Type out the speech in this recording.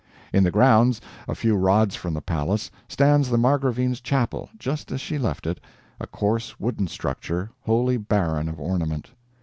In the grounds, a few rods from the palace, stands the Margravine's chapel, just as she left it a coarse wooden structure, wholly barren of ornament.